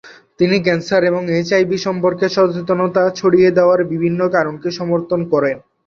তিনি ক্যান্সার এবং এইচআইভি/এইডস সম্পর্কে সচেতনতা ছড়িয়ে দেওয়ার বিভিন্ন কারণকে সমর্থন করেন।